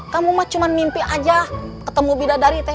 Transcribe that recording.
kamu cuma mimpi saja ketemu bidadari